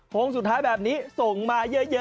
โพงสุดท้ายแบบนี้ส่งมาเยอะนะครับ